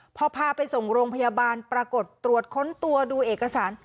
พอพาไปส่งโรงพยาบาลปรากฏตรวจค้นตัวดูเอกสาร